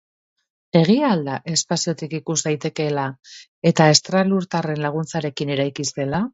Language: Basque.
Egia al da espaziotik ikus daitekeela eta estralurtarren laguntzarekin eraiki zela?